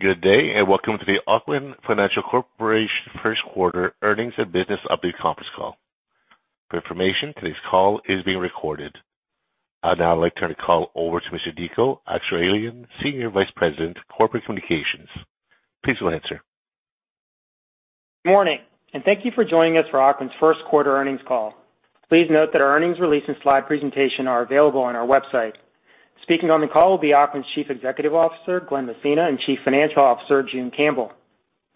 Good day, and welcome to the Ocwen Financial Group Inc. Q1 Earnings and Business Update Conference Call. For information, today's call is being recorded. I'd now like to turn the call over to Mr. Dico Akseraylian, Senior VP of Corporate Communications. Please go ahead, sir. Morning, and thank you for joining us for Ocwen Group's Q1 earnings call. Please note that our earnings release and slide presentation are available on our website. Speaking on the call will be Ocwen Group's CEO, Glen Messina, and CFO, June Campbell.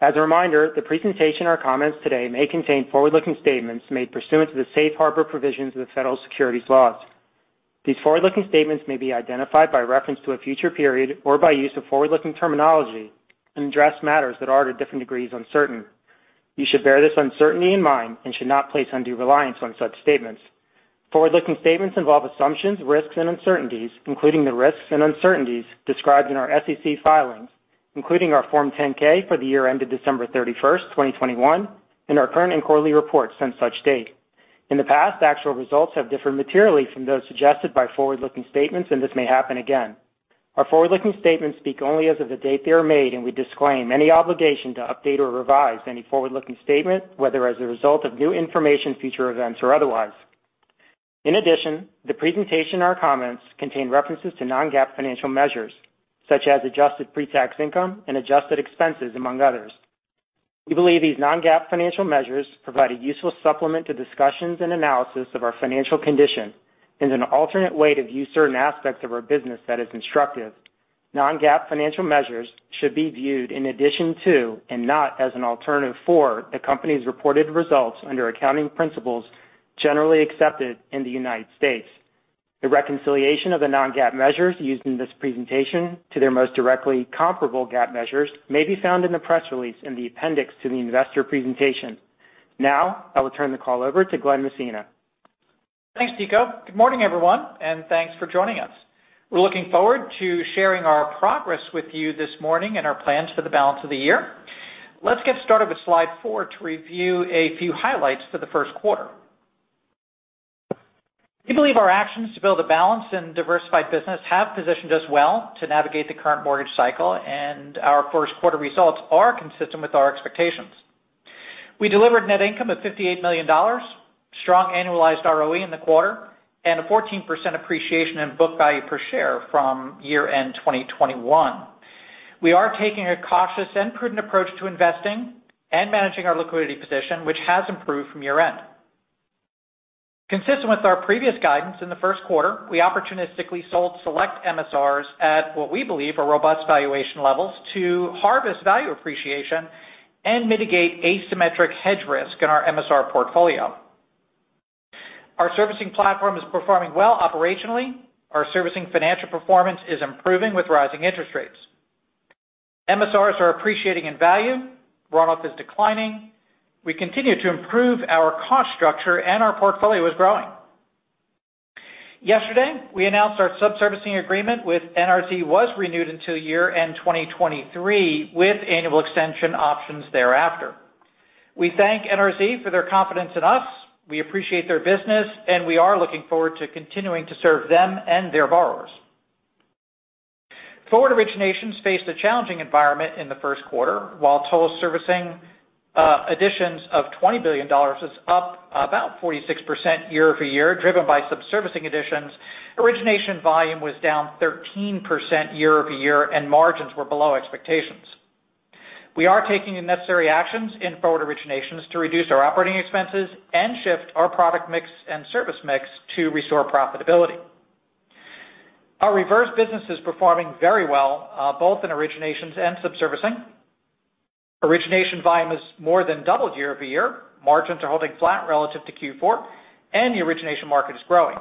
As a reminder, the presentation or comments today may contain forward-looking statements made pursuant to the safe harbor provisions of the federal securities laws. These forward-looking statements may be identified by reference to a future period or by use of forward-looking terminology and address matters that are to different degrees uncertain. You should bear this uncertainty in mind and should not place undue reliance on such statements. Forward-looking statements involve assumptions, risks, and uncertainties, including the risks and uncertainties described in our SEC filings, including our Form 10-K for the year ended 31 December 2021, and our current and quarterly reports since such date. In the past, actual results have differed materially from those suggested by forward-looking statements, and this may happen again. Our forward-looking statements speak only as of the date they are made, and we disclaim any obligation to update or revise any forward-looking statement, whether as a result of new information, future events, or otherwise. In addition, the presentation or comments contain references to non-GAAP financial measures such as adjusted pre-tax income and adjusted expenses, among others. We believe these non-GAAP financial measures provide a useful supplement to discussions and analysis of our financial condition and an alternate way to view certain aspects of our business that is constructive. Non-GAAP financial measures should be viewed in addition to and not as an alternative for the company's reported results under accounting principles generally accepted in the U.S.. The reconciliation of the non-GAAP measures used in this presentation to their most directly comparable GAAP measures may be found in the press release in the appendix to the investor presentation. Now I will turn the call over to Glen Messina. Thanks, Dico. Good morning, everyone, and thanks for joining us. We're looking forward to sharing our progress with you this morning and our plans for the balance of the year. Let's get started with slide four to review a few highlights for the Q1. We believe our actions to build a balanced and diversified business have positioned us well to navigate the current mortgage cycle, and our Q1 results are consistent with our expectations. We delivered net income of $58 million, strong annualized ROE in the quarter, and a 14% appreciation in book value per share from year-end 2021. We are taking a cautious and prudent approach to investing and managing our liquidity position, which has improved from year-end. Consistent with our previous guidance in the Q1, we opportunistically sold select MSRs at what we believe are robust valuation levels to harvest value appreciation and mitigate asymmetric hedge risk in our MSR portfolio. Our servicing platform is performing well operationally. Our servicing financial performance is improving with rising interest rates. MSRs are appreciating in value. Run off is declining. We continue to improve our cost structure, and our portfolio is growing. Yesterday, we announced our subservicing agreement with NRZ was renewed until year-end 2023, with annual extension options thereafter. We thank NRZ for their confidence in us. We appreciate their business, and we are looking forward to continuing to serve them and their borrowers. Forward originations faced a challenging environment in the Q1. While whole servicing additions of $20 billion is up about 46% YoY, driven by subservicing additions, origination volume was down 13% YoY and margins were below expectations. We are taking the necessary actions in forward originations to reduce our operating expenses and shift our product mix and service mix to restore profitability. Our reverse business is performing very well, both in originations and subservicing. Origination volume is more than doubled YoY. Margins are holding flat relative to Q4, and the origination market is growing.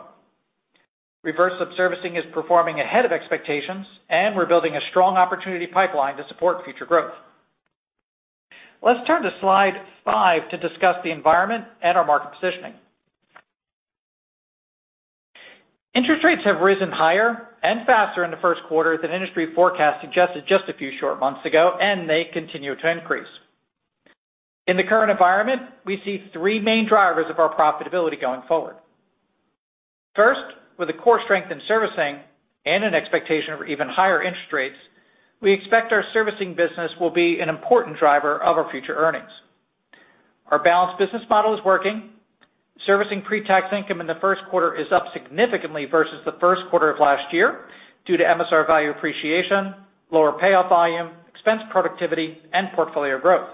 Reverse subservicing is performing ahead of expectations, and we're building a strong opportunity pipeline to support future growth. Let's turn to slide five to discuss the environment and our market positioning. Interest rates have risen higher and faster in the Q1 than industry forecasts suggested just a few short months ago, and they continue to increase. In the current environment, we see three main drivers of our profitability going forward. First, with a core strength in servicing and an expectation of even higher interest rates, we expect our servicing business will be an important driver of our future earnings. Our balanced business model is working. Servicing pre-tax income in the Q1 is up significantly versus the Q1 of last year due to MSR value appreciation, lower payoff volume, expense productivity, and portfolio growth.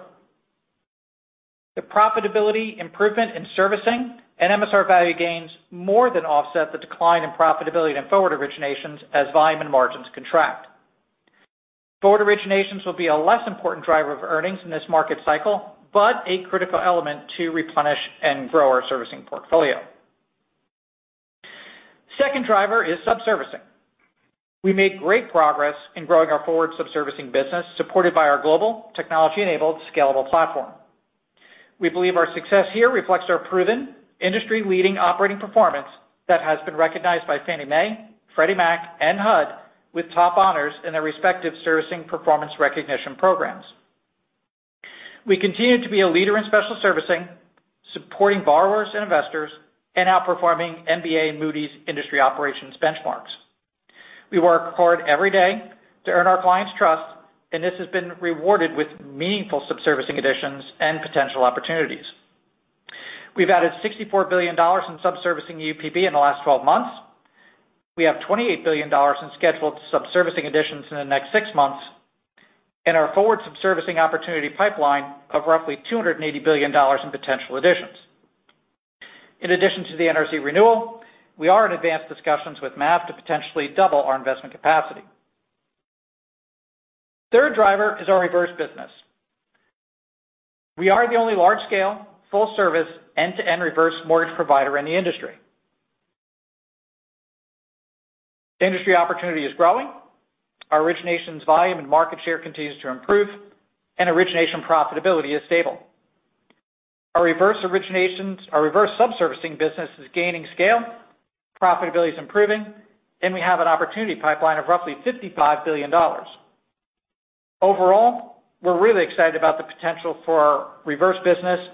The profitability improvement in servicing and MSR value gains more than offset the decline in profitability in forward originations as volume and margins contract. Forward originations will be a less important driver of earnings in this market cycle, but a critical element to replenish and grow our servicing portfolio. Second driver is subservicing. We made great progress in growing our forward subservicing business, supported by our global technology-enabled scalable platform. We believe our success here reflects our proven industry-leading operating performance that has been recognized by Fannie Mae, Freddie Mac, and HUD with top honors in their respective servicing performance recognition programs. We continue to be a leader in special servicing, supporting borrowers and investors, and outperforming MBA and Moody's industry operations benchmarks. We work hard every day to earn our clients' trust, and this has been rewarded with meaningful subservicing additions and potential opportunities. We've added $64 billion in subservicing UPB in the last 12 months. We have $28 billion in scheduled subservicing additions in the next six months, and our forward subservicing opportunity pipeline of roughly $280 billion in potential additions. In addition to the NRZ renewal, we are in advanced discussions with MAV to potentially double our investment capacity. Third driver is our reverse business. We are the only large scale, full service, end-to-end reverse mortgage provider in the industry. The industry opportunity is growing. Our originations volume and market share continues to improve, and origination profitability is stable. Our reverse originations, our reverse subservicing business is gaining scale, profitability is improving, and we have an opportunity pipeline of roughly $55 billion. Overall, we're really excited about the potential for our reverse business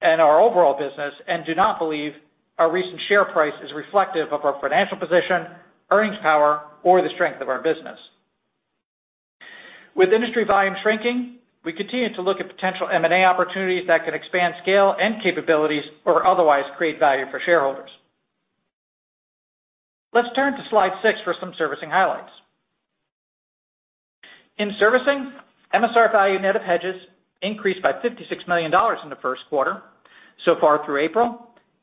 and our overall business and do not believe our recent share price is reflective of our financial position, earnings power, or the strength of our business. With industry volume shrinking, we continue to look at potential M&A opportunities that can expand scale and capabilities or otherwise create value for shareholders. Let's turn to slide six for some servicing highlights. In servicing, MSR value net of hedges increased by $56 million in the Q1.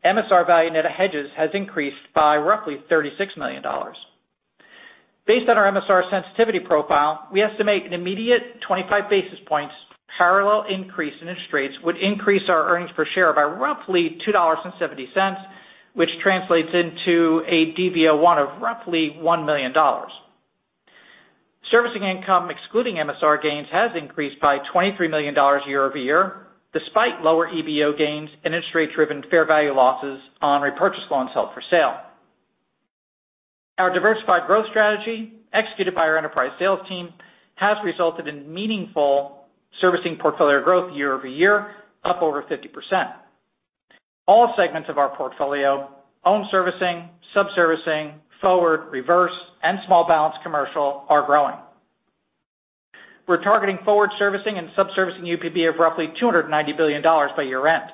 MSR value net of hedges has increased by roughly $36 million. Based on our MSR sensitivity profile, we estimate an immediate 25 basic points parallel increase in interest rates would increase our earnings per share by roughly $2.70, which translates into a DV01 of roughly $1 million. Servicing income excluding MSR gains has increased by $23 million YoY, despite lower EBO gains and interest rate-driven fair value losses on repurchase loans held for sale. Our diversified growth strategy, executed by our enterprise sales team, has resulted in meaningful servicing portfolio growth YoY, up over 50%. All segments of our portfolio, home servicing, subservicing, forward, reverse, and small balance commercial are growing. We're targeting forward servicing and subservicing UPB of roughly $290 billion by year-end.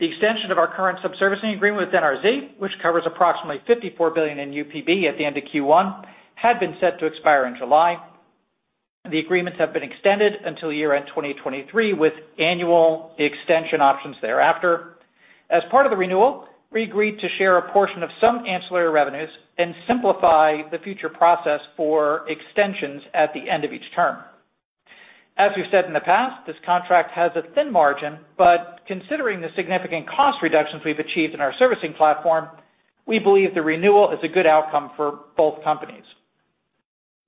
The extension of our current subservicing agreement with NRZ, which covers approximately $54 billion in UPB at the end of Q1, had been set to expire in July. The agreements have been extended until year-end 2023, with annual extension options thereafter. As part of the renewal, we agreed to share a portion of some ancillary revenues and simplify the future process for extensions at the end of each term. As we've said in the past, this contract has a thin margin, but considering the significant cost reductions we've achieved in our servicing platform, we believe the renewal is a good outcome for both companies.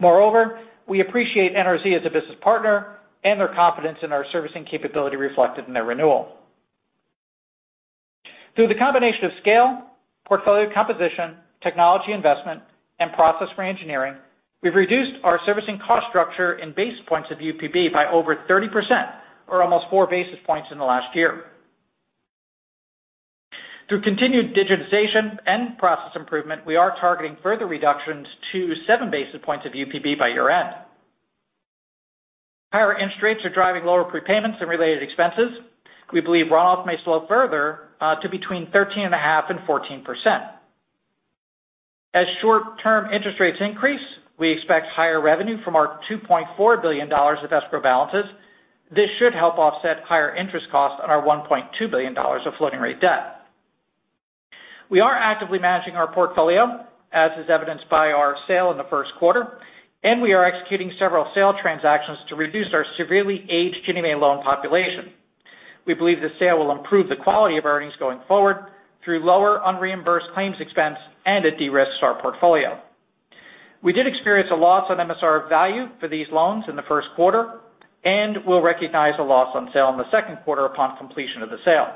Moreover, we appreciate NRZ as a business partner and their confidence in our servicing capability reflected in their renewal. Through the combination of scale, portfolio composition, technology investment, and process reengineering, we've reduced our servicing cost structure in basis points of UPB by over 30% or almost 4 basic points in the last year. Through continued digitization and process improvement, we are targeting further reductions to 7 basic points of UPB by year-end. Higher interest rates are driving lower prepayments and related expenses. We believe runoff may slow further to between 13.5% and 14%. As short-term interest rates increase, we expect higher revenue from our $2.4 billion of escrow balances. This should help offset higher interest costs on our $1.2 billion of floating rate debt. We are actively managing our portfolio, as is evidenced by our sale in the Q1, and we are executing several sale transactions to reduce our severely aged Ginnie Mae loan population. We believe the sale will improve the quality of earnings going forward through lower unreimbursed claims expense and it de-risks our portfolio. We did experience a loss on MSR value for these loans in the Q1 and will recognize a loss on sale in the Q2 upon completion of the sale.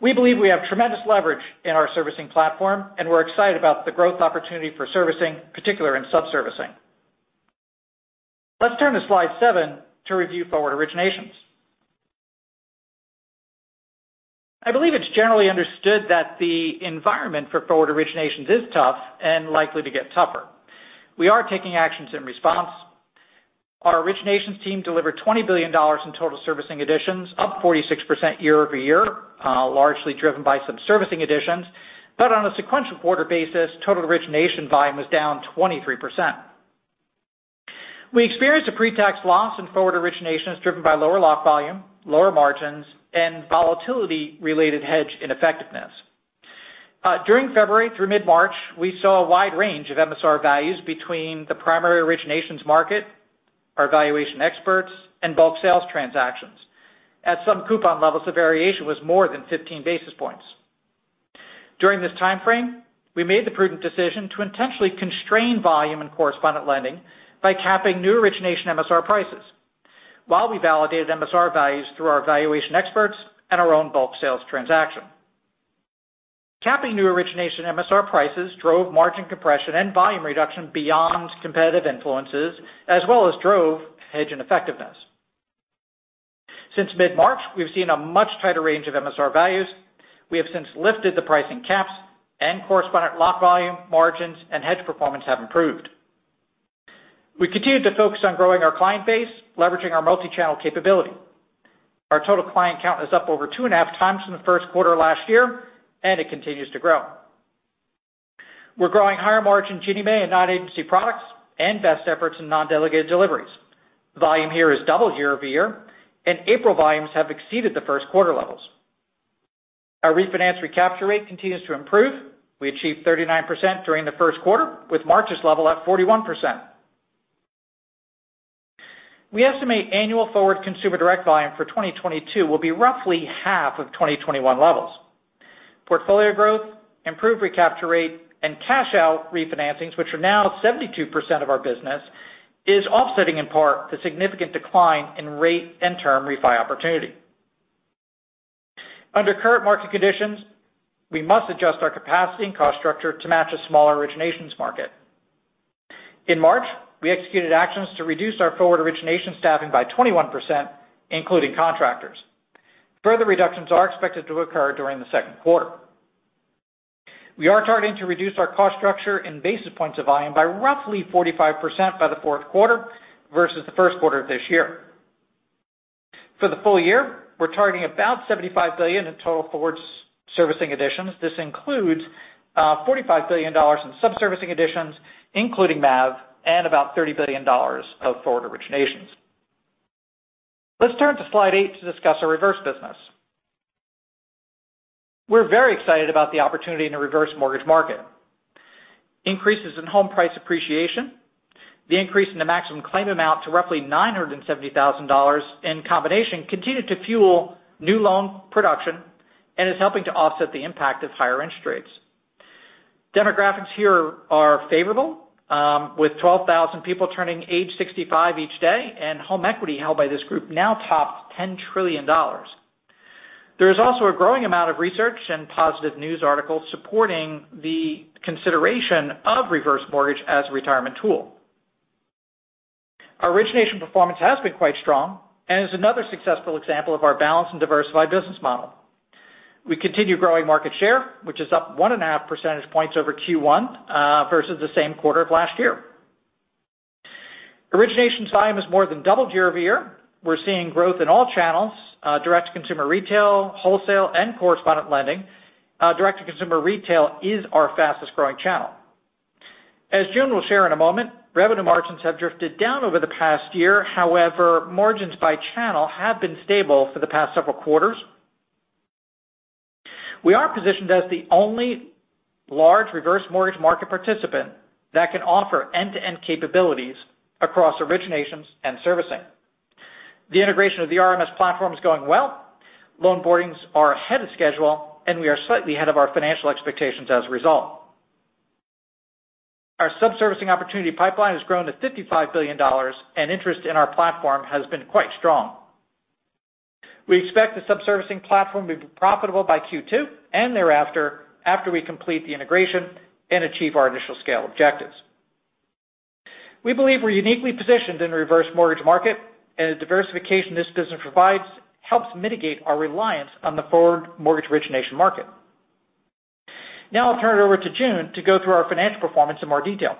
We believe we have tremendous leverage in our servicing platform, and we're excited about the growth opportunity for servicing, particularly in subservicing. Let's turn to slide seven to review forward originations. I believe it's generally understood that the environment for forward originations is tough and likely to get tougher. We are taking actions in response. Our originations team delivered $20 billion in total servicing additions, up 46% YoY, largely driven by subservicing additions. On a sequential quarter basis, total origination volume was down 23%. We experienced a pre-tax loss in forward originations driven by lower lock volume, lower margins, and volatility-related hedge ineffectiveness. During February through mid-March, we saw a wide range of MSR values between the primary originations market, our valuation experts, and bulk sales transactions. At some coupon levels, the variation was more than 15 basic points. During this time frame, we made the prudent decision to intentionally constrain volume and correspondent lending by capping new origination MSR prices while we validated MSR values through our valuation experts and our own bulk sales transaction. Capping new origination MSR prices drove margin compression and volume reduction beyond competitive influences, as well as drove hedge ineffectiveness. Since mid-March, we've seen a much tighter range of MSR values. We have since lifted the pricing caps, and correspondent lock volume, margins, and hedge performance have improved. We continued to focus on growing our client base, leveraging our multi-channel capability. Our total client count is up over 2.5 times in the Q1 of last year, and it continues to grow. We're growing higher margin Ginnie Mae in non-agency products and best efforts in non-delegated deliveries. Volume here is double YoY, and April volumes have exceeded Q1 levels. Our refinance recapture rate continues to improve. We achieved 39% during the Q1, with March's level at 41%. We estimate annual forward consumer direct volume for 2022 will be roughly half of 2021 levels. Portfolio growth, improved recapture rate, and cash out refinancings, which are now 72% of our business, is offsetting in part the significant decline in rate and term refi opportunity. Under current market conditions, we must adjust our capacity and cost structure to match a smaller originations market. In March, we executed actions to reduce our forward origination staffing by 21%, including contractors. Further reductions are expected to occur during the Q2. We are targeting to reduce our cost structure in basis points of volume by roughly 45% by the Q4 versus the Q1 of this year. For the full year, we're targeting about $75 billion in total forward servicing additions. This includes $45 billion in subservicing additions, including MAV, and about $30 billion of forward originations. Let's turn to slide eight to discuss our reverse business. We're very excited about the opportunity in the reverse mortgage market. Increases in home price appreciation, the increase in the maximum claim amount to roughly $970,000 in combination continued to fuel new loan production and is helping to offset the impact of higher interest rates. Demographics here are favorable, with 12,000 people turning age 65 each day, and home equity held by this group now tops $10 trillion. There is also a growing amount of research and positive news articles supporting the consideration of reverse mortgage as a retirement tool. Our origination performance has been quite strong and is another successful example of our balanced and diversified business model. We continue growing market share, which is up 1.5 percentage points over Q1, versus the same quarter of last year. Origination volume is more than double YoY. We're seeing growth in all channels, direct to consumer retail, wholesale, and correspondent lending. Direct to consumer retail is our fastest-growing channel. As June will share in a moment, revenue margins have drifted down over the past year. However, margins by channel have been stable for the past several quarters. We are positioned as the only large reverse mortgage market participant that can offer end-to-end capabilities across originations and servicing. The integration of the RMS platform is going well. Loan boardings are ahead of schedule, and we are slightly ahead of our financial expectations as a result. Our subservicing opportunity pipeline has grown to $55 billion, and interest in our platform has been quite strong. We expect the subservicing platform to be profitable by Q2 and thereafter, after we complete the integration and achieve our initial scale objectives. We believe we're uniquely positioned in the reverse mortgage market, and the diversification this business provides helps mitigate our reliance on the forward mortgage origination market. Now I'll turn it over to June to go through our financial performance in more detail.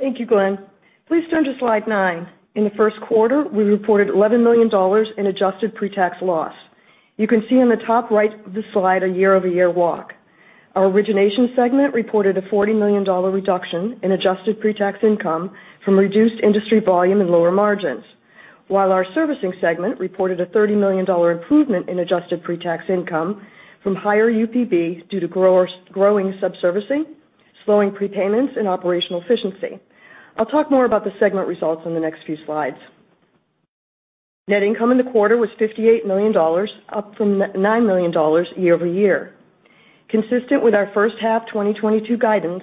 Thank you, Glenn. Please turn to slide nine. In the Q1, we reported $11 million in adjusted pre-tax loss. You can see in the top right of the slide a YoY walk. Our origination segment reported a $40 million reduction in adjusted pre-tax income from reduced industry volume and lower margins, while our servicing segment reported a $30 million improvement in adjusted pre-tax income from higher UPB due to growing subservicing, slowing prepayments, and operational efficiency. I'll talk more about the segment results in the next few slides. Net income in the quarter was $58 million, up from $9 million YoY. Consistent with our first half 2022 guidance,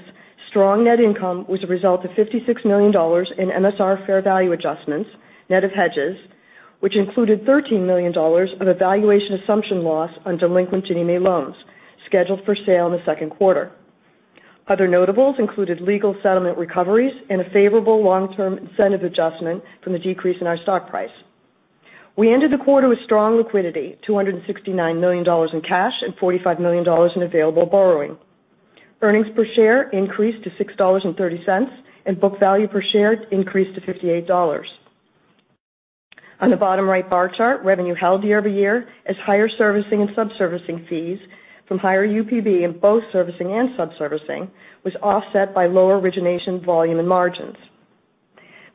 strong net income was a result of $56 million in MSR fair value adjustments, net of hedges, which included $13 million of evaluation assumption loss on delinquent Ginnie Mae loans scheduled for sale in the Q2. Other notables included legal settlement recoveries and a favorable long-term incentive adjustment from the decrease in our stock price. We ended the quarter with strong liquidity, $269 million in cash and $45 million in available borrowing. Earnings per share increased to $6.30, and book value per share increased to $58. On the bottom right bar chart, revenue held YoY as higher servicing and subservicing fees from higher UPB in both servicing and subservicing was offset by lower origination volume and margins.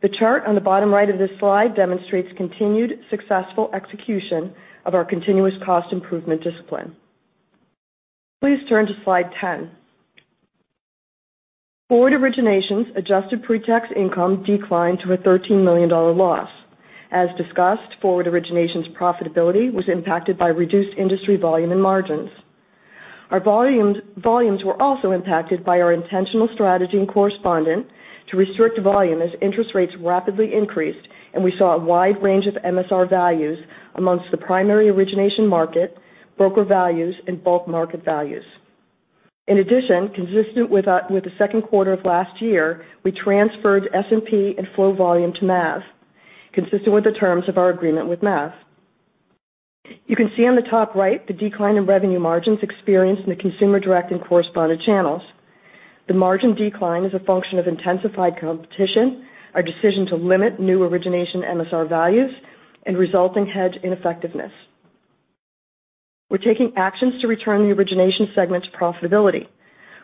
The chart on the bottom right of this slide demonstrates continued successful execution of our continuous cost improvement discipline. Please turn to slide 10. Forward originations adjusted pre-tax income declined to a $13 million loss. As discussed, forward originations profitability was impacted by reduced industry volume and margins. Our volumes were also impacted by our intentional strategy in correspondent to restrict volume as interest rates rapidly increased, and we saw a wide range of MSR values among the primary origination market, broker values, and bulk market values. In addition, consistent with the Q2 of last year, we transferred MSR and full volume to MAV, consistent with the terms of our agreement with MAV. You can see on the top right the decline in revenue margins experienced in the consumer direct and correspondent channels. The margin decline is a function of intensified competition, our decision to limit new origination MSR values, and resulting hedge ineffectiveness. We're taking actions to return the origination segment to profitability,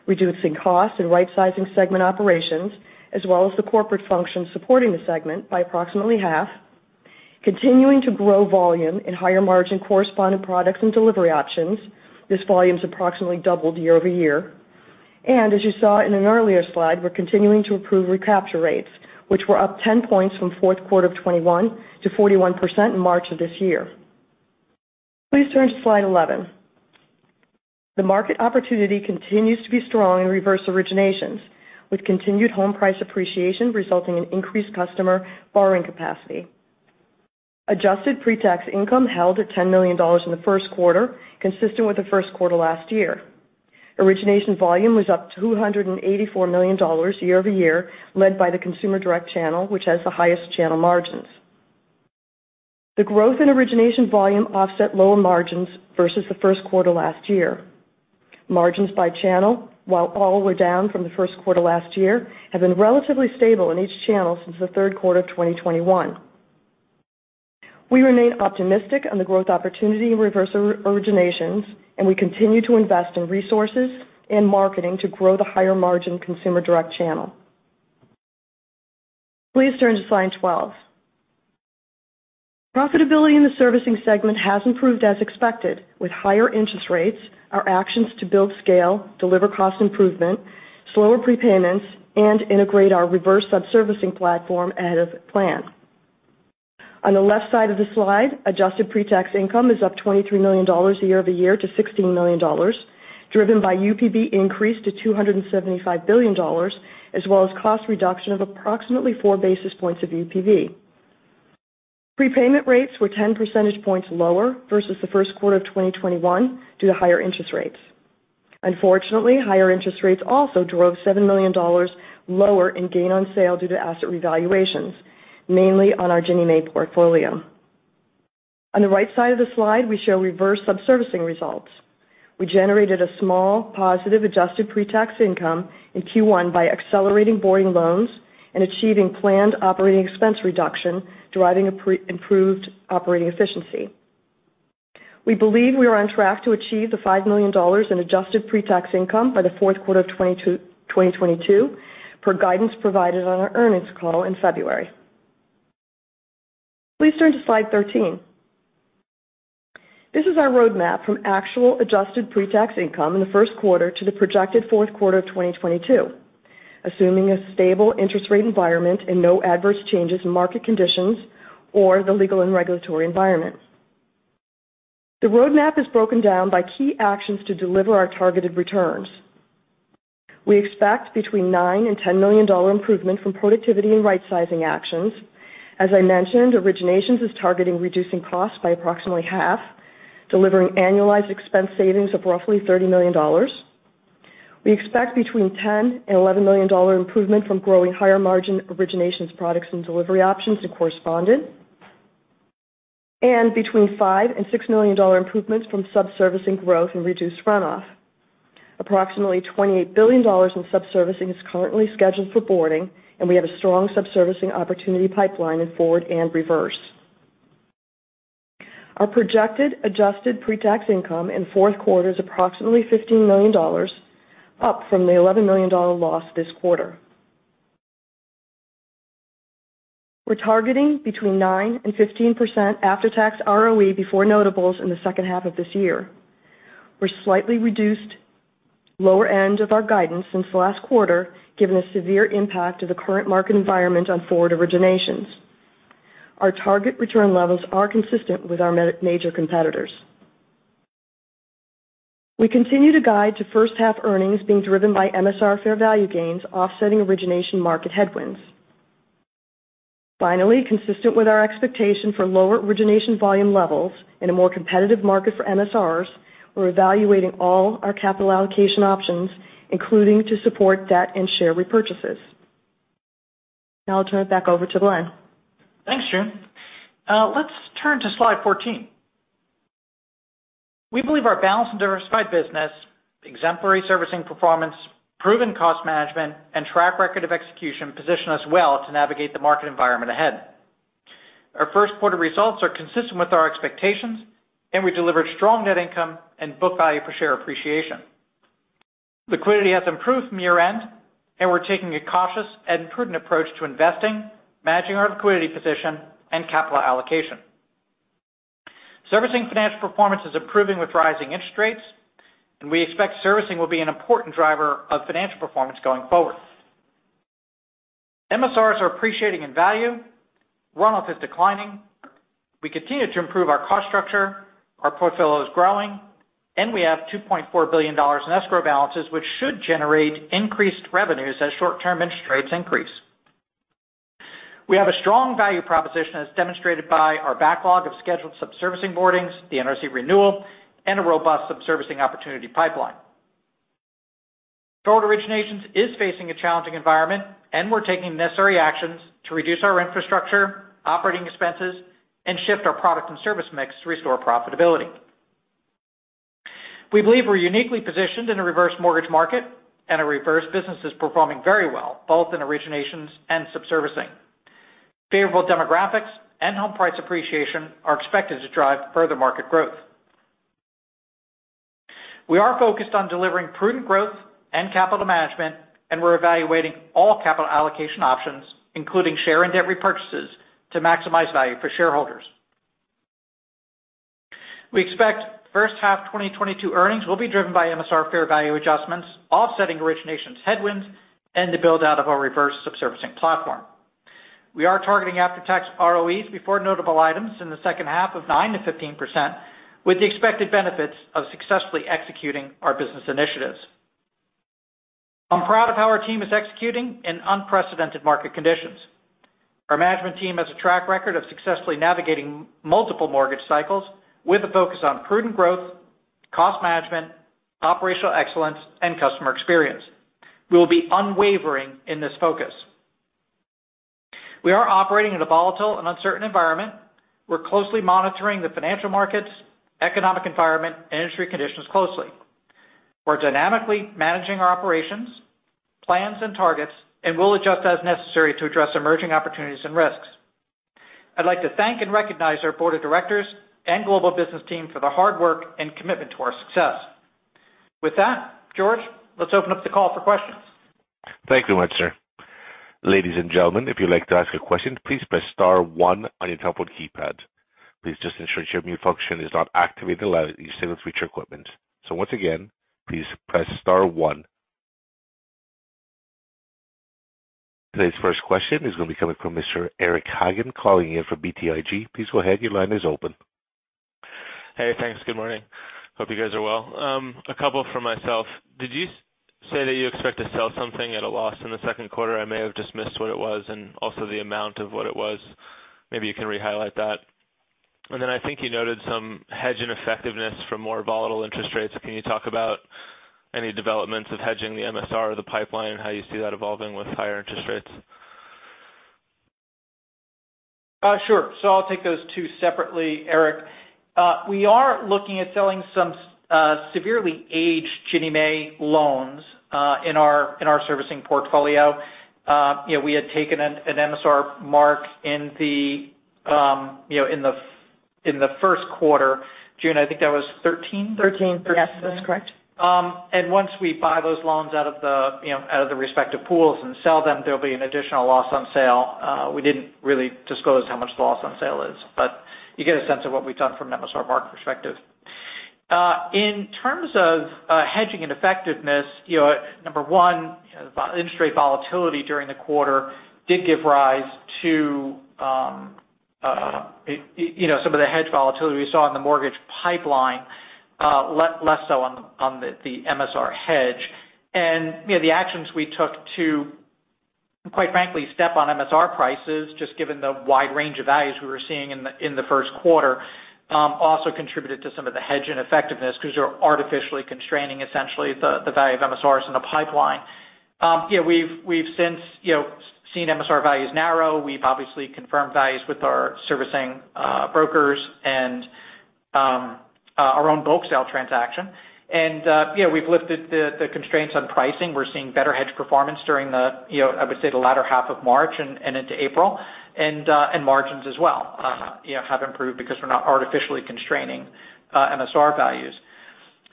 reducing costs and rightsizing segment operations as well as the corporate function supporting the segment by approximately half, continuing to grow volume in higher margin correspondent products and delivery options. This volume's approximately doubled YoY. As you saw in an earlier slide, we're continuing to improve recapture rates, which were up 10 points from Q4 of 2021 to 41% in March of this year. Please turn to slide 11. The market opportunity continues to be strong in reverse originations, with continued home price appreciation resulting in increased customer borrowing capacity. Adjusted pre-tax income held at $10 million in the Q1, consistent with the Q1 last year. Origination volume was up $284 million YoY, led by the consumer direct channel, which has the highest channel margins. The growth in origination volume offset lower margins versus the Q1 last year. Margins by channel, while all were down from the Q1 last year, have been relatively stable in each channel since the Q3 of 2021. We remain optimistic on the growth opportunity in reverse originations, and we continue to invest in resources and marketing to grow the higher margin consumer direct channel. Please turn to slide 12. Profitability in the servicing segment has improved as expected with higher interest rates, our actions to build scale, deliver cost improvement, slower prepayments, and integrate our reverse subservicing platform ahead of plan. On the left side of the slide, adjusted pre-tax income is up $23 million YoY to $16 million, driven by UPB increase to $275 billion, as well as cost reduction of approximately 4 basic points of UPB. Prepayment rates were 10 percentage points lower versus the Q1 of 2021 due to higher interest rates. Unfortunately, higher interest rates also drove $7 million lower in gain on sale due to asset revaluations, mainly on our Ginnie Mae portfolio. On the right side of the slide, we show reverse subservicing results. We generated a small positive adjusted pre-tax income in Q1 by accelerating onboarding loans and achieving planned operating expense reduction, driving an improved operating efficiency. We believe we are on track to achieve $5 million in adjusted pre-tax income by the Q4 of 2022, per guidance provided on our earnings call in February. Please turn to slide 13. This is our roadmap from actual adjusted pre-tax income in the Q1 to the projected Q4 of 2022, assuming a stable interest rate environment and no adverse changes in market conditions or the legal and regulatory environment. The roadmap is broken down by key actions to deliver our targeted returns. We expect between $9 million and $10 million improvement from productivity and rightsizing actions. As I mentioned, originations is targeting reducing costs by approximately half, delivering annualized expense savings of roughly $30 million. We expect between $10 million and $11 million improvement from growing higher margin originations products and delivery options to correspondent. Between $5 to $6 million improvements from subservicing growth and reduced runoff. Approximately $28 billion in subservicing is currently scheduled for boarding, and we have a strong subservicing opportunity pipeline in forward and reverse. Our projected adjusted pre-tax income in Q4 is approximately $15 million, up from the $11 million loss this quarter. We're targeting between 9% to 15% after-tax ROE before notables in the second half of this year. We've slightly reduced the lower end of our guidance since the last quarter, given the severe impact of the current market environment on forward originations. Our target return levels are consistent with our major competitors. We continue to guide to first half earnings being driven by MSR fair value gains offsetting origination market headwinds. Finally, consistent with our expectation for lower origination volume levels in a more competitive market for MSRs, we're evaluating all our capital allocation options, including to support debt and share repurchases. Now I'll turn it back over to Glenn. Thanks, June. Let's turn to slide 14. We believe our balanced and diversified business, exemplary servicing performance, proven cost management, and track record of execution position us well to navigate the market environment ahead. Our Q1 results are consistent with our expectations, and we delivered strong net income and book value per share appreciation. Liquidity has improved from year-end, and we're taking a cautious and prudent approach to investing, managing our liquidity position, and capital allocation. Servicing financial performance is improving with rising interest rates, and we expect servicing will be an important driver of financial performance going forward. MSRs are appreciating in value. Runoff is declining. We continue to improve our cost structure, our portfolio is growing, and we have $2.4 billion in escrow balances, which should generate increased revenues as short-term interest rates increase. We have a strong value proposition as demonstrated by our backlog of scheduled subservicing boardings, the NRZ renewal, and a robust subservicing opportunity pipeline. Forward originations is facing a challenging environment, and we're taking necessary actions to reduce our infrastructure, operating expenses, and shift our product and service mix to restore profitability. We believe we're uniquely positioned in a reverse mortgage market, and our reverse business is performing very well, both in originations and subservicing. Favorable demographics and home price appreciation are expected to drive further market growth. We are focused on delivering prudent growth and capital management, and we're evaluating all capital allocation options, including share and debt repurchases to maximize value for shareholders. We expect first half 2022 earnings will be driven by MSR fair value adjustments, offsetting originations headwinds and the build-out of our reverse subservicing platform. We are targeting after-tax ROEs before notable items in the second half of 9% to 15% with the expected benefits of successfully executing our business initiatives. I'm proud of how our team is executing in unprecedented market conditions. Our management team has a track record of successfully navigating multiple mortgage cycles with a focus on prudent growth, cost management, operational excellence, and customer experience. We will be unwavering in this focus. We are operating in a volatile and uncertain environment. We're closely monitoring the financial markets, economic environment, and industry conditions closely. We're dynamically managing our operations, plans, and targets, and we'll adjust as necessary to address emerging opportunities and risks. I'd like to thank and recognize our board of directors and global business team for their hard work and commitment to our success. With that, George, let's open up the call for questions. Thank you much, sir. Ladies and gentlemen, if you'd like to ask a question, please press star one on your telephone keypad. Please just ensure your mute function is not activated unless you say with your equipment. Once again, please press star one. Today's first question is gonna be coming from Mr. Eric Hagen calling in from BTIG. Please go ahead, your line is open. Hey, thanks. Good morning. Hope you guys are well. A couple from myself. Did you say that you expect to sell something at a loss in the Q2? I may have just missed what it was and also the amount of what it was. Maybe you can re-highlight that. I think you noted some hedge ineffectiveness from more volatile interest rates. Can you talk about any developments of hedging the MSR or the pipeline, how you see that evolving with higher interest rates? Sure. I'll take those two separately, Eric. We are looking at selling some severely aged Ginnie Mae loans in our servicing portfolio. We had taken an MSR mark in the Q1. June, I think that was 13. 13. Yes, that's correct. Once we buy those loans out of the respective pools and sell them, there'll be an additional loss on sale. We didn't really disclose how much the loss on sale is, but you get a sense of what we've done from an MSR mark perspective. In terms of hedging and effectiveness, number one, the interest rate volatility during the quarter did give rise to some of the hedge volatility we saw in the mortgage pipeline, less so on the MSR hedge. You know, the actions we took to, quite frankly, step on MSR prices just given the wide range of values we were seeing in the Q1 also contributed to some of the hedge ineffectiveness 'cause you're artificially constraining essentially the value of MSRs in the pipeline. We've since seen MSR values narrow. We've obviously confirmed values with our servicing brokers and our own bulk sale transaction. We've lifted the constraints on pricing. We're seeing better hedge performance during the latter half of March and into April. Margins as well, have improved because we're not artificially constraining MSR values.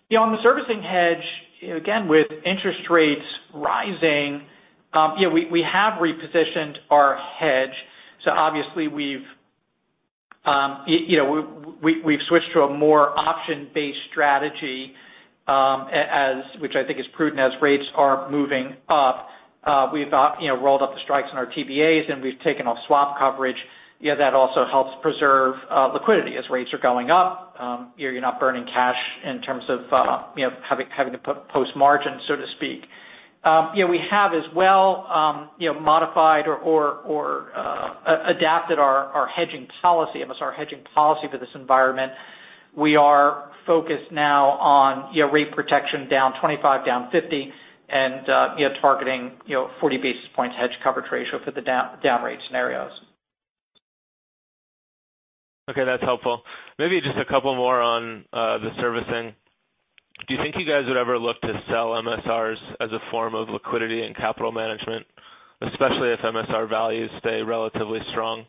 You know, on the servicing hedge, again, with interest rates rising, we have repositioned our hedge. Obviously, we've switched to a more option-based strategy, as which I think is prudent as rates are moving up. We've you know, rolled up the strikes in our TBAs, and we've taken off swap coverage. You know, that also helps preserve liquidity as rates are going up. You're not burning cash in terms of you know, having to post margin, so to speak. We have as well you know, modified or adapted our hedging policy, MSR hedging policy for this environment. We are focused now on, you know, rate protection down 25, down 50 and targeting, you know, 40 basis points hedge coverage ratio for the down rate scenarios. Okay, that's helpful. Maybe just a couple more on the servicing. Do you think you guys would ever look to sell MSRs as a form of liquidity and capital management, especially if MSR values stay relatively strong?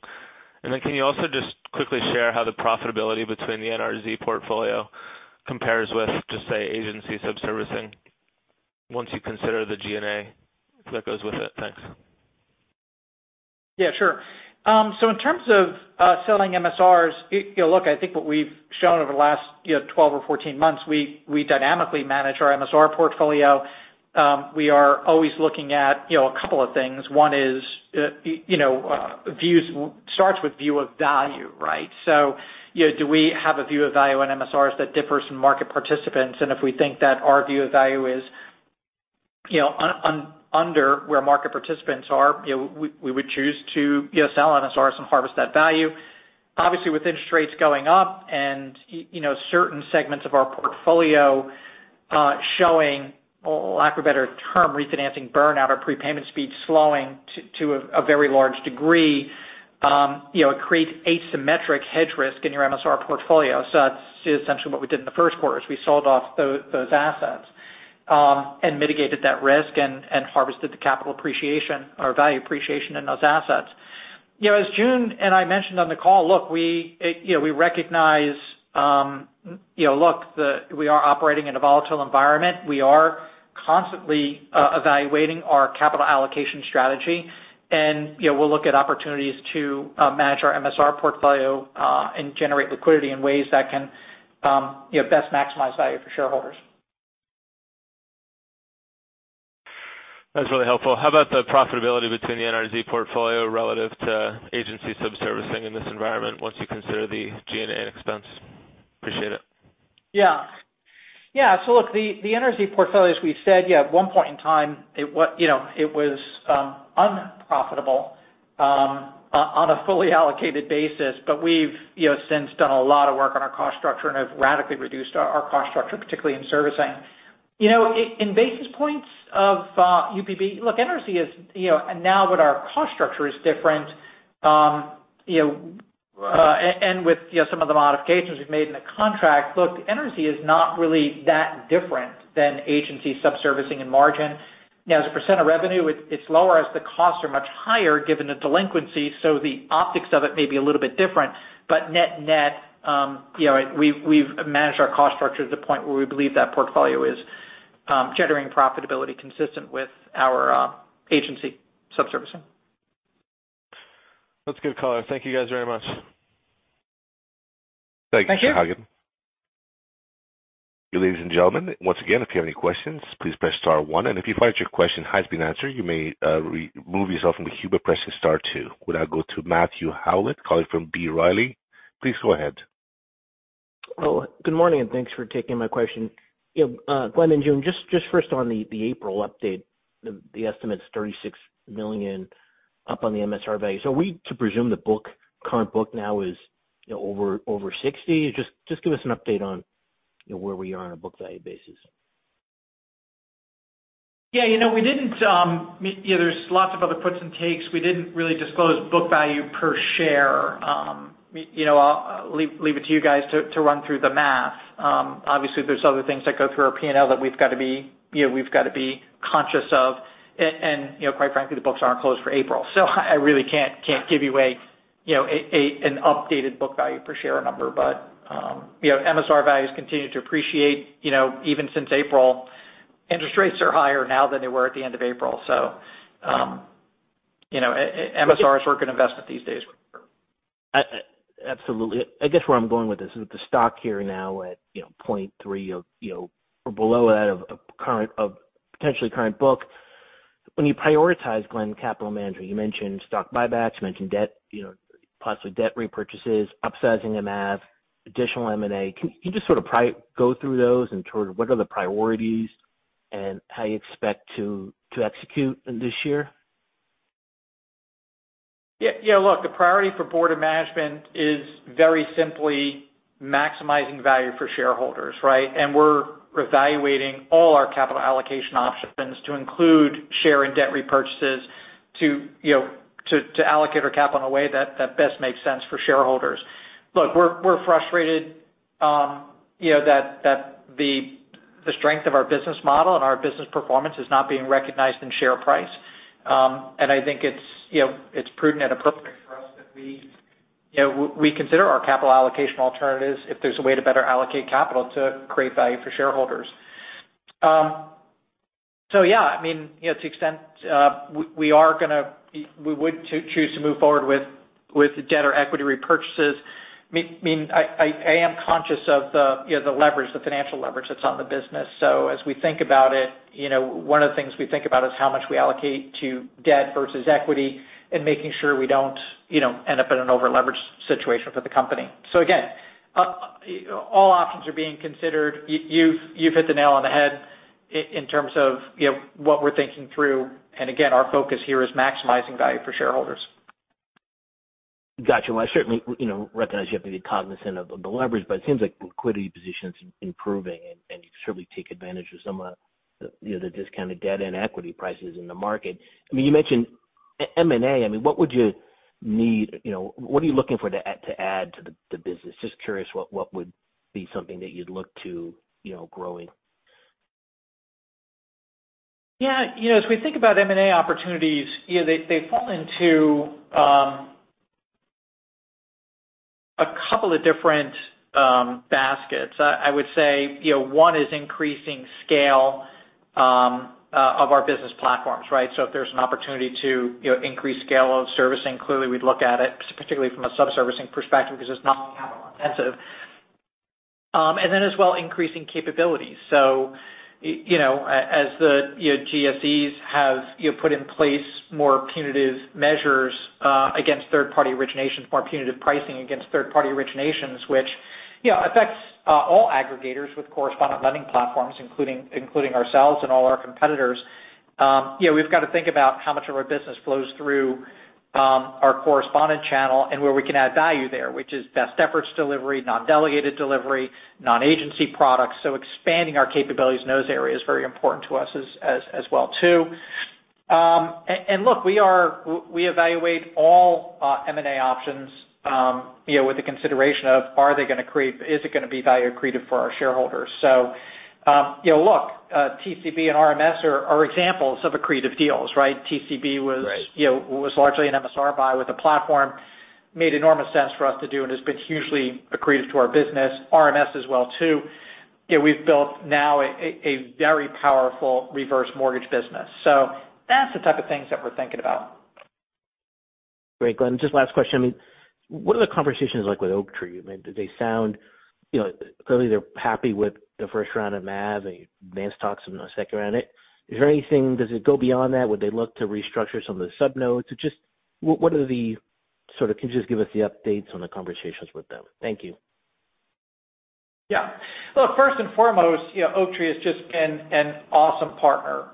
Can you also just quickly share how the profitability between the NRZ portfolio compares with just say, agency subservicing once you consider the G&A that goes with it? Thanks. Yeah, sure. In terms of selling MSRs, look, I think what we've shown over the last, you know, 12 or 14 months, we dynamically manage our MSR portfolio. We are always looking at, you know, a couple of things. One is, you know, starts with view of value, right? So, do we have a view of value on MSRs that differs from market participants? If we think that our view of value is, you know, under where market participants are, you know, we would choose to, you know, sell MSRs and harvest that value. Obviously, with interest rates going up and you know, certain segments of our portfolio showing, or lack of a better term, refinancing burnout or prepayment speed slowing to a very large degree, you know, it creates asymmetric hedge risk in your MSR portfolio. So that's essentially what we did in the Q1, is we sold off those assets and mitigated that risk and harvested the capital appreciation or value appreciation in those assets. As June and I mentioned on the call, look, we you know, we recognize, you know, look, we are operating in a volatile environment. We are constantly evaluating our capital allocation strategy. We'll look at opportunities to manage our MSR portfolio and generate liquidity in ways that can you know, best maximize value for shareholders. That's really helpful. How about the profitability between the NRZ portfolio relative to agency subservicing in this environment once you consider the G&A expense? Appreciate it. Yeah. Look, the NRZ portfolio, as we've said, at one point in time, you know, it was unprofitable on a fully allocated basis. We've, you know, since done a lot of work on our cost structure and have radically reduced our cost structure, particularly in servicing. You know, in basis points of UPB, look, NRZ is, you know, and now that our cost structure is different, and with some of the modifications we've made in the contract. Look, NRZ is not really that different than agency subservicing and margin. As a percent of revenue, it's lower as the costs are much higher given the delinquency. The optics of it may be a little bit different. Net-net, we've managed our cost structure to the point where we believe that portfolio is generating profitability consistent with our agency subservicing. That's good color. Thank you guys very much. Thank you. Thank you, Hagen. Ladies and gentlemen, once again, if you have any questions, please press star one. If you find your question has been answered, you may remove yourself from the queue by pressing star two. We now go to Matthew Howlett calling from B. Riley. Please go ahead. Good morning, and thanks for taking my question. You know, Glenn and June, just first on the April update, the estimates' $36 million up on the MSR value. Are we to presume the current book now is, over $60 million? Just give us an update on, you know, where we are on a book value basis. Yeah, you know, we didn't, you know, there's lots of other puts and takes. We didn't really disclose book value per share. I'll leave it to you guys to run through the math. Obviously, there's other things that go through our P&L that we've gotta be conscious of. And quite frankly, the books aren't closed for April. I really can't give you an updated book value per share number. MSR values continue to appreciate, you know, even since April. Interest rates are higher now than they were at the end of April. MSR is working investment these days. Absolutely. I guess where I'm going with this is with the stock here now at, you know, 0.3 of, or below that of potentially current book. When you prioritize Glen's capital management, you mentioned stock buybacks, you mentioned debt, you know, possibly debt repurchases, upsizing M&A, additional M&A. Can you just sort of go through those and sort of what are the priorities and how you expect to execute in this year? Yeah. Yeah, look, the priority for board of management is very simply maximizing value for shareholders, right? We're evaluating all our capital allocation options to include share and debt repurchases to, you know, to allocate our capital in a way that best makes sense for shareholders. Look, we're frustrated, you know, that the strength of our business model and our business performance is not being recognized in share price. I think it's prudent and appropriate for us that we consider our capital allocation alternatives if there's a way to better allocate capital to create value for shareholders. Yeah, I mean, to the extent we would choose to move forward with debt or equity repurchases. I mean, I am conscious of the, you know, the leverage, the financial leverage that's on the business. As we think about it, you know, one of the things we think about is how much we allocate to debt versus equity and making sure we don't, you know, end up in an over-leveraged situation for the company. Again, all options are being considered. You've hit the nail on the head in terms of, you know, what we're thinking through. Again, our focus here is maximizing value for shareholders. Got you. Well, I certainly, you know, recognize you have to be cognizant of the leverage, but it seems like liquidity positions' improving and you certainly take advantage of some of the, you know, the discounted debt and equity prices in the market. I mean, you mentioned M&A. I mean, what would you need? You know, what are you looking for to add to the business? Just curious what would be something that you'd look to, you know, growing. Yeah. You know, as we think about M&A opportunities, you know, they fall into a couple of different baskets. I would say, one is increasing scale of our business platforms, right? If there's an opportunity to, you know, increase scale of servicing, clearly we'd look at it, particularly from a subservicing perspective because it's not capital intensive. Then as well, increasing capabilities. You know, as the you know GSEs have you know put in place more punitive measures against third party originations, more punitive pricing against third party originations, which you know affects all aggregators with correspondent lending platforms, including ourselves and all our competitors. You know, we've got to think about how much of our business flows through our correspondent channel and where we can add value there, which is best efforts delivery, non-delegated delivery, non-agency products. Expanding our capabilities in those areas is very important to us as well too. Look, we evaluate all M&A options, you know, with the consideration of is it gonna be value accretive for our shareholders? Look, TCB and RMS are examples of accretive deals, right? TCB was- Right. You know, was largely an MSR buy with a platform. Made enormous sense for us to do, and has been hugely accretive to our business. RMS as well too. We've built now a very powerful reverse mortgage business. That's the type of things that we're thinking about. Great, Glenn. Just last question. I mean, what are the conversations like with Oaktree? I mean, do they sound, you know, clearly they're happy with the first round of MAV, advanced talks in the second round of it. Is there anything, does it go beyond that? Would they look to restructure some of the sub notes? Just, can you just give us the updates on the conversations with them? Thank you. Yeah. Look, first and foremost, you know, Oaktree has just been an awesome partner.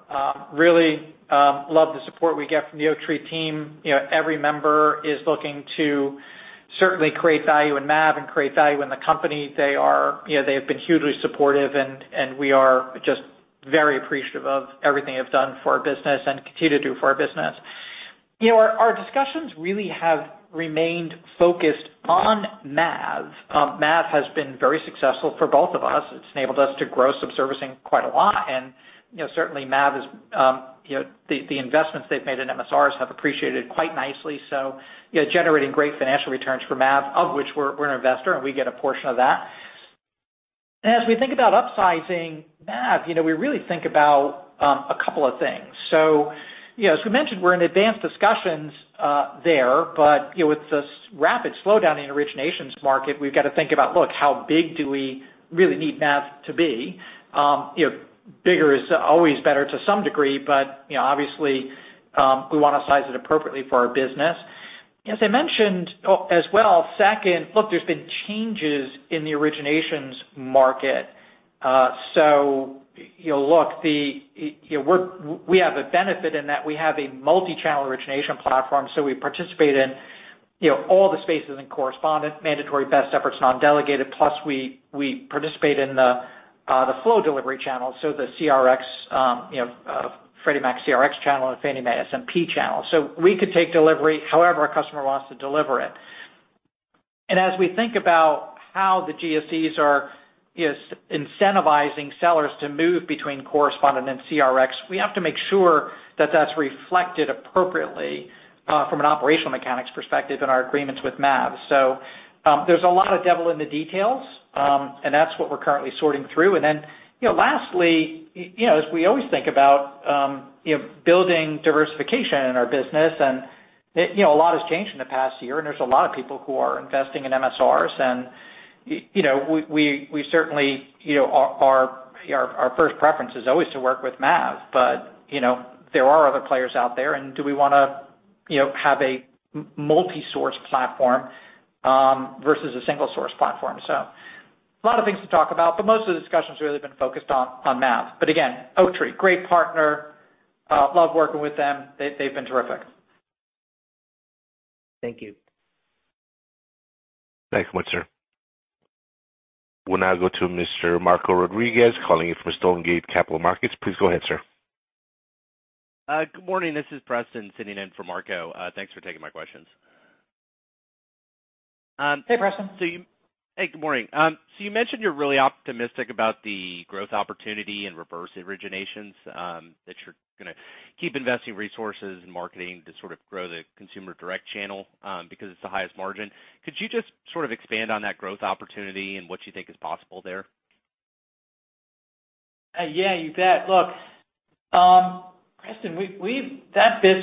Really, love the support we get from the Oaktree team. Every member is looking to certainly create value in MAV and create value in the company. They have been hugely supportive and we are just very appreciative of everything they've done for our business and continue to do for our business. Our discussions really have remained focused on MAV. MAV has been very successful for both of us. It's enabled us to grow subservicing quite a lot. Certainly MAV is the investments they've made in MSRs have appreciated quite nicely. So, generating great financial returns for MAV, of which we're an investor, and we get a portion of that. As we think about upsizing MAV, you know, we really think about a couple of things. As we mentioned, we're in advanced discussions there, but you know, with this rapid slowdown in the originations market, we've got to think about how big do we really need MAV to be? Bigger is always better to some degree, but you know, obviously, we wanna size it appropriately for our business. As I mentioned, as well, second, there's been changes in the originations market. We have a benefit in that we have a multi-channel origination platform, so we participate in, you know, all the spaces in correspondent, mandatory best efforts, non-delegated, plus we participate in the flow delivery channel, so the CRX, Freddie Mac CRX channel and Fannie Mae SMP channel. We could take delivery however our customer wants to deliver it. As we think about how the GSEs are incentivizing sellers to move between correspondent and CRX, we have to make sure that that's reflected appropriately from an operational mechanics perspective in our agreements with MAV. So, there's a lot of devil in the details, and that's what we're currently sorting through. Then, you know, lastly, you know, as we always think about, you know, building diversification in our business and, you know, a lot has changed in the past year, and there's a lot of people who are investing in MSRs. You know, we certainly, our first preference is always to work with Mav, but, you know, there are other players out there and do we wanna, you know, have a multi-source platform versus a single source platform. A lot of things to talk about, but most of the discussion's really been focused on Mav. Again, Oaktree, great partner, love working with them. They've been terrific. Thank you. Thanks so much, sir. We'll now go to Mr. Marco Rodriguez, calling in from Stonegate Capital Markets. Please go ahead, sir. Good morning. This is Preston sitting in for Marco. Thanks for taking my questions. Hey, Preston. Hey, good morning. You mentioned you're really optimistic about the growth opportunity in reverse originations, that you're gonna keep investing resources and marketing to sort of grow the consumer direct channel, because it's the highest margin. Could you just sort of expand on that growth opportunity and what you think is possible there? Yeah, you bet. Look, Preston,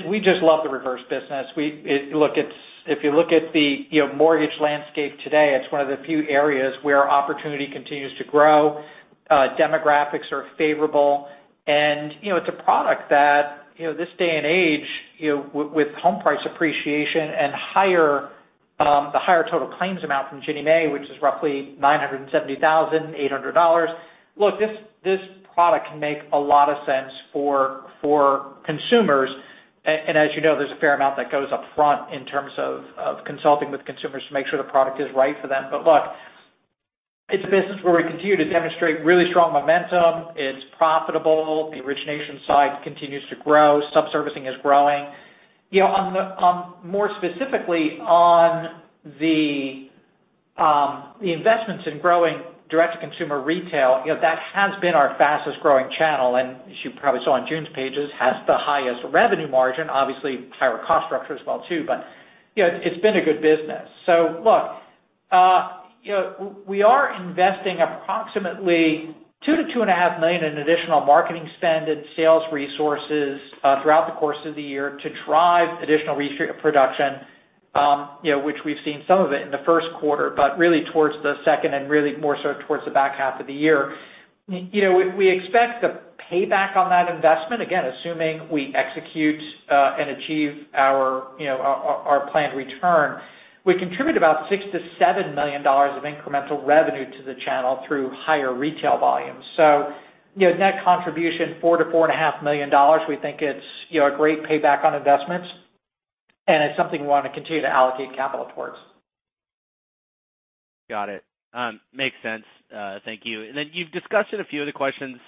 we just love the reverse business. Look, if you look at the mortgage landscape today, it's one of the few areas where opportunity continues to grow, demographics are favorable, and, you know, it's a product that, this day and age, you know, with home price appreciation and higher, the higher total claims amount from Ginnie Mae, which is roughly $970,800. Look, this product can make a lot of sense for consumers. And as you know, there's a fair amount that goes up front in terms of consulting with consumers to make sure the product is right for them. But look, it's a business where we continue to demonstrate really strong momentum. It's profitable. The origination side continues to grow. Subservicing is growing. You know, more specifically on the investments in growing direct-to-consumer retail, that has been our fastest-growing channel, and as you probably saw on June's pages, has the highest revenue margin, obviously higher cost structure as well too. It's been a good business. Look, you know, we are investing approximately $2 to $2.5 million in additional marketing spend and sales resources throughout the course of the year to drive additional production, you know, which we've seen some of it in the Q1, but really towards the second and really more so towards the back half of the year. You know, we expect the payback on that investment, again, assuming we execute and achieve our you know our planned return. We contribute about $6 to $7 million of incremental revenue to the channel through higher retail volumes. Net contribution, $4 to $4.5 million, we think it's, you know, a great payback on investments, and it's something we wanna continue to allocate capital towards. Got it. Makes sense. Thank you. You've discussed in a few of the questions,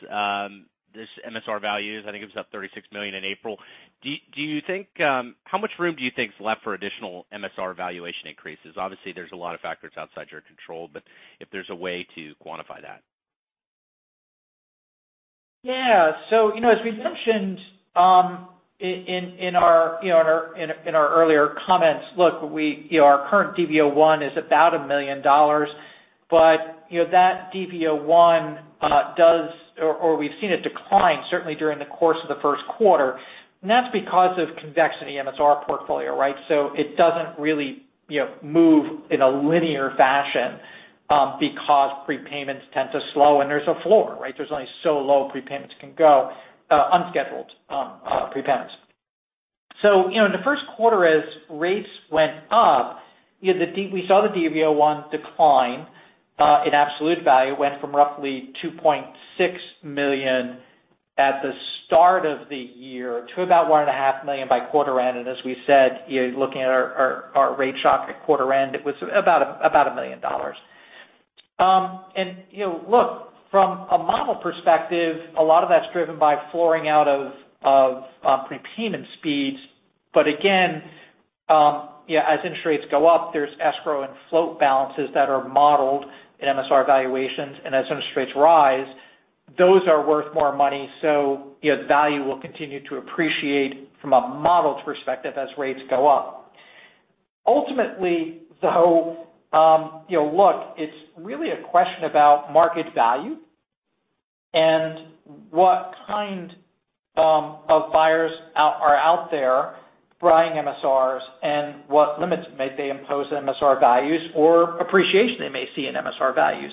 this MSR values. I think it was up $36 million in April. Do you think, how much room do you think is left for additional MSR valuation increases? Obviously, there's a lot of factors outside your control, but if there's a way to quantify that. Yeah. As we mentioned, in our earlier comments, look, you know, our current DV01 is about $1 million, but, you know, that DV01, we've seen it decline certainly during the course of the Q1. That's because of convexity MSR portfolio, right? It doesn't really, you know, move in a linear fashion, because prepayments tend to slow, and there's a floor, right? There's only so low prepayments can go, unscheduled prepayments. In the Q1, as rates went up, you know, we saw the DV01 decline in absolute value. It went from roughly $2.6 million at the start of the year to about $1.5 million by quarter end. As we said, you know, looking at our rate shock at quarter end, it was about $1 million. Look, from a model perspective, a lot of that's driven by flooring out of prepayment speeds. But again, yeah, as interest rates go up, there's escrow and float balances that are modeled in MSR valuations. As interest rates rise, those are worth more money. The value will continue to appreciate from a model's perspective as rates go up. Ultimately, look, it's really a question about market value and what kind of buyers are out there buying MSRs and what limits may they impose on MSR values or appreciation they may see in MSR values.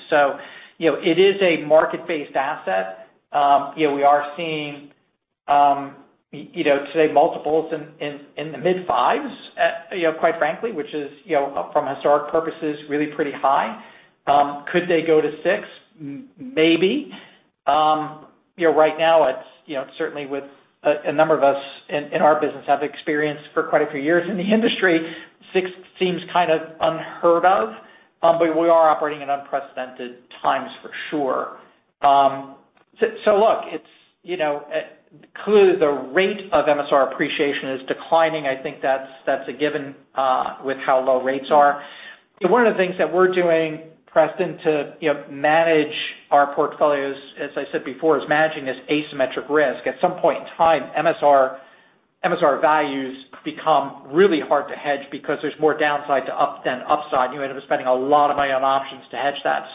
It is a market-based asset. You know, we are seeing, you know, today multiples in the mid-fives at, you know, quite frankly, which is, you know, from a historical perspective, really pretty high. Could they go to six? Maybe. Right now it's, you know, certainly with a number of us in our business have experience for quite a few years in the industry, six seems kind of unheard of, but we are operating in unprecedented times for sure. So look, it's, you know, clearly the rate of MSR appreciation is declining. I think that's a given, with how low rates are. One of the things that we're doing, Preston, to, you know, manage our portfolios, as I said before, is managing this asymmetric risk. At some point in time, MSR values become really hard to hedge because there's more downside than upside. You end up spending a lot of money on options to hedge that.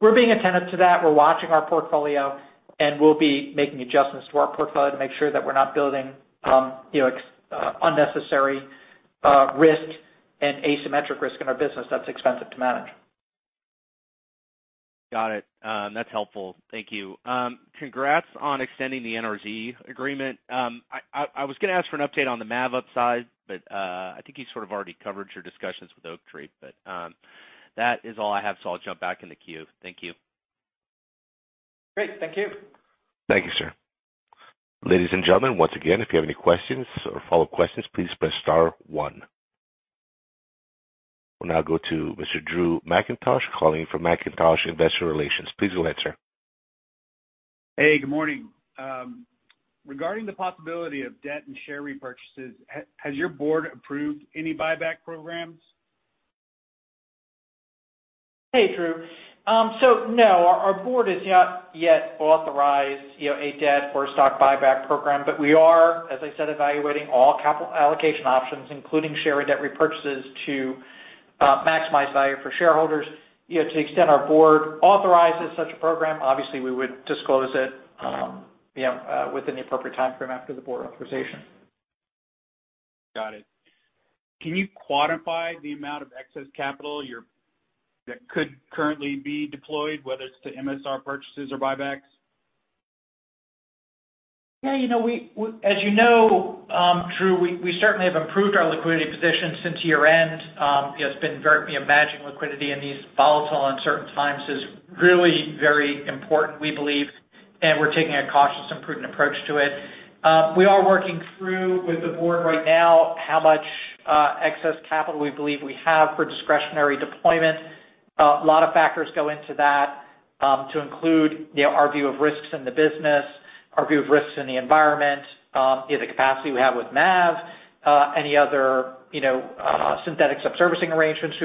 We're being attentive to that. We're watching our portfolio, and we'll be making adjustments to our portfolio to make sure that we're not building unnecessary risk and asymmetric risk in our business that's expensive to manage. Got it. That's helpful. Thank you. Congrats on extending the NRZ agreement. I was gonna ask for an update on the MAV upside, but I think you sort of already covered your discussions with Oaktree. That is all I have, so I'll jump back in the queue. Thank you. Great. Thank you. Thank you, sir. Ladies and gentlemen, once again, if you have any questions or follow-up questions, please press star one. We'll now go to Mr. Drew McIntosh calling from McIntosh Investor Relations. Please go ahead, sir. Hey, good morning. Regarding the possibility of debt and share repurchases, has your board approved any buyback programs? Hey, Drew. No, our board has not yet authorized, a debt or stock buyback program. We are, as I said, evaluating all capital allocation options, including share and debt repurchases to maximize value for shareholders. To the extent our board authorizes such a program, obviously we would disclose it, you know, within the appropriate time frame after the board authorization. Got it. Can you quantify the amount of excess capital that could currently be deployed, whether it's to MSR purchases or buybacks? Yeah, you know, as you know, Drew, we certainly have improved our liquidity position since year-end. Managing liquidity in these volatile uncertain times is really very important, we believe, and we're taking a cautious and prudent approach to it. We are working through with the board right now how much excess capital we believe we have for discretionary deployment. A lot of factors go into that, to include, you know, our view of risks in the business, our view of risks in the environment, the capacity we have with Mav, any other, you know, synthetic subservicing arrangements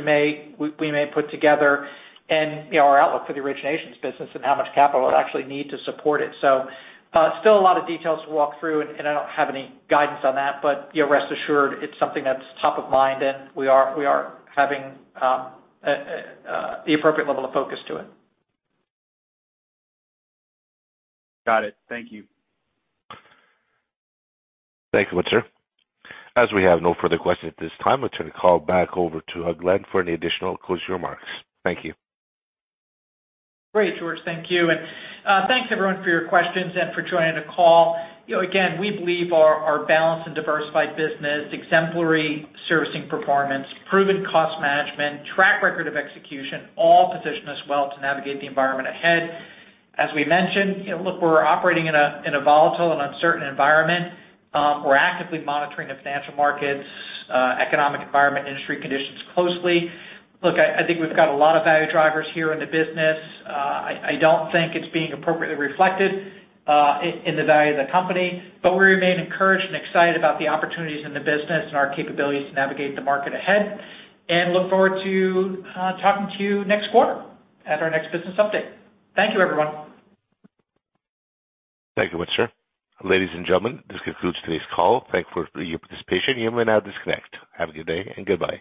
we may put together and, our outlook for the originations business and how much capital it'll actually need to support it. Still a lot of details to walk through, and I don't have any guidance on that. Rest assured it's something that's top of mind, and we are having the appropriate level of focus to it. Got it. Thank you. Thank you, sir. As we have no further questions at this time, let's turn the call back over to Glenn for any additional closing remarks. Thank you. Great, George. Thank you. Thanks, everyone for your questions and for joining the call. You know, again, we believe our balanced and diversified business, exemplary servicing performance, proven cost management, track record of execution all position us well to navigate the environment ahead. As we mentioned, look, we're operating in a volatile and uncertain environment. We're actively monitoring the financial markets, economic environment, industry conditions closely. Look, I think we've got a lot of value drivers here in the business. I don't think it's being appropriately reflected in the value of the company, but we remain encouraged and excited about the opportunities in the business and our capabilities to navigate the market ahead. Look forward to talking to you next quarter at our next business update. Thank you, everyone. Thank you, sir. Ladies and gentlemen, this concludes today's call. Thank you for your participation. You may now disconnect. Have a good day and goodbye.